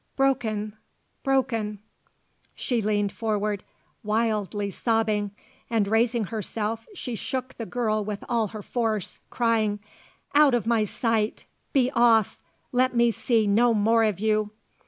broken! broken!" She leaned forward, wildly sobbing, and raising herself she shook the girl with all her force, crying: "Out of my sight! Be off! Let me see no more of you!"